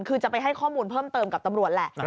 คือจะไปให้ข้อมูลเพิ่มเติมกับตำรวจแหละ